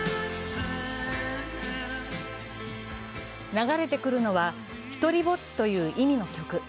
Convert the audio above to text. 流れてくるのは独りぼっちという意味の曲。